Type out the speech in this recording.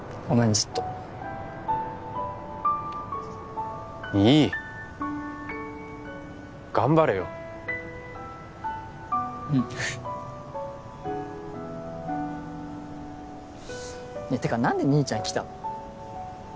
ずっといい頑張れようんてか何で兄ちゃん来たの？